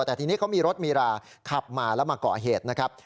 แต่ทีนี้เขามีรถมีราขับมาแล้วมาก่อเหตุนะครับ